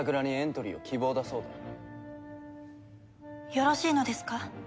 よろしいのですか？